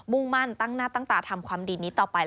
่งมั่นตั้งหน้าตั้งตาทำความดีนี้ต่อไป